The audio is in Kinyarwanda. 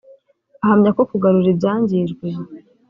Ahamya ko Kugarura ibyangijwe